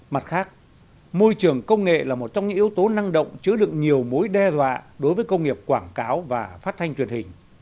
mặt khác môi trường công nghệ là một trong những yếu tố năng động chứa đựng nhiều mối đe dọa đối với công nghiệp quảng cáo và phát thanh truyền hình